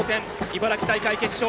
茨城大会、決勝。